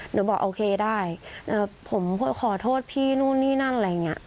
หนูบอกโอเคได้ผมเพื่อขอโทษพี่นู่นนี่นั่นอะไรอย่างนี้